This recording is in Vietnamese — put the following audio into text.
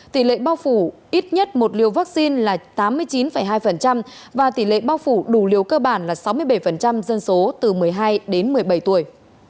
tỷ lệ bao phủ ít nhất một liều vaccine là tám mươi chín hai và tỷ lệ bao phủ đủ liều cơ bản là sáu mươi bảy dân số từ một mươi hai đến một mươi bảy tuổi